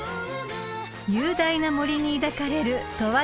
［雄大な森に抱かれる十和田市］